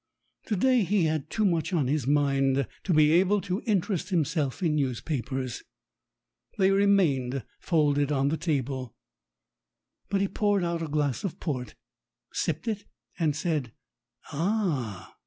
To day he had too much on his mind to be able to interest himself in newspapers. They remained folded on the table; but he poured out a glass of port, sipped it, and said, "Ah h